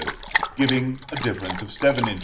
giving a difference of 7 in.